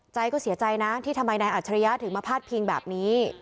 ใจก็เสียใจนะที่ทำไมนายอัจฉริยะถึงมาพาดพิงแบบนี้